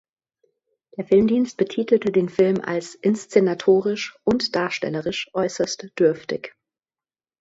Der Filmdienst betitelte den Film als „inszenatorisch und darstellerisch äußerst dürftig“.